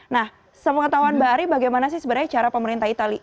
nah sepengetahuan mbak ari bagaimana sih sebenarnya cara pemerintah itali